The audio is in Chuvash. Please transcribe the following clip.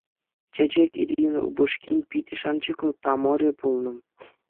Чечек-Ирина упӑшкин питӗ шанчӑклӑ тамӑрӗ пулнӑ.